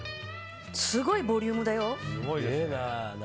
すごいボリュームだよ。